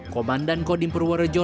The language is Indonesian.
komandan kodim purworejo